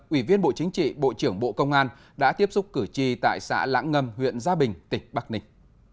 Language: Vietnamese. ủy viên bộ chính trị bộ trưởng bộ công an đã tiếp xúc cử tri tại xã lãng ngâm huyện gia bình tỉnh bắc ninh